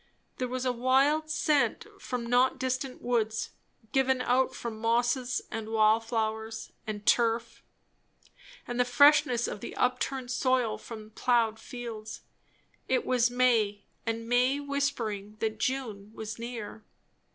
There was a wild scent from not distant woods, given out from mosses and wild flowers and turf, and the freshness of the upturned soil from ploughed fields. It was May, and May whispering that June was near.